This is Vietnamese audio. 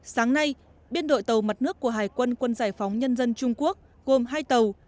sáng nay biên đội tàu mặt nước của hải quân quân giải phóng nhân dân trung quốc gồm hai tàu